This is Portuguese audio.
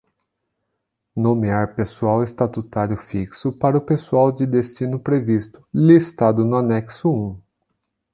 Nomear pessoal estatutário fixo para o pessoal de destino previsto, listado no Anexo I.